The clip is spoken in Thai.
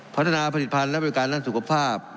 พัฒนาผลิตภัณฑ์และบริการด้านสุขภาพ